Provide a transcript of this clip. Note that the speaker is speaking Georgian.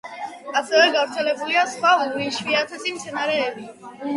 ასევე გავრცელებულია სხვა უიშვიათესი მცენარეები.